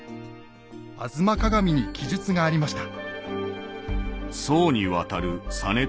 「吾妻鏡」に記述がありました。